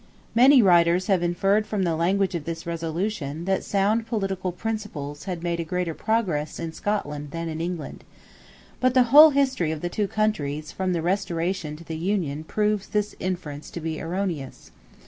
Many writers have inferred from the language of this resolution that sound political principles had made a greater progress in Scotland than in England. But the whole history of the two countries from the Restoration to the Union proves this inference to be erroneous.